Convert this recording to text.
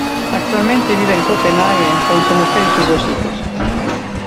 Actualmente vive en Copenhague con su mujer y sus dos hijos.